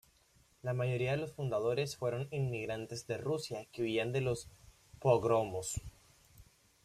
La mayoría de los fundadores fueron inmigrantes de Rusia que huían de los pogromos.